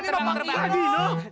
wah ini mah pak grino